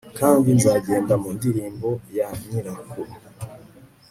Kandi nzagenda mu ndirimbo ya nyirakuru